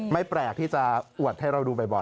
ไม่แปลกที่จะอวดให้เราดูบ่อย